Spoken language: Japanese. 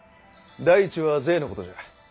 第一は税のことじゃ。